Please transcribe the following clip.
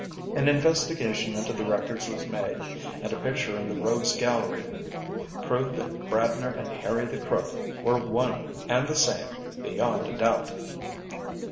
An investigation into the records was made, and a picture in the Rogues' Gallery proved that Bradner and Harry the Crook were one and the same beyond a doubt.